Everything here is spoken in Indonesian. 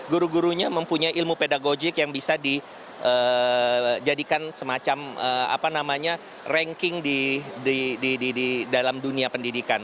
guru gurunya mempunyai ilmu pedagojik yang bisa dijadikan semacam ranking di dalam dunia pendidikan